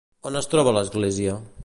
On es troba l'església?